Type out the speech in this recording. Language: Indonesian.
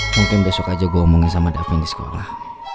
mungkin besok aja gue omongin sama davi di sekolah